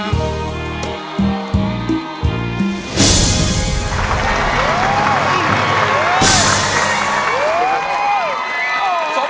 ไม่ใช้